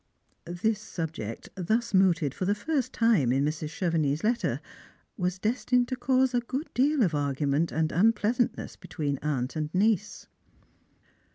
This subject, thus mooted for the first time in Mrs. Chevenix's letter, was destined to cause a good deal of argument and un pleasantness between the aunt and niece.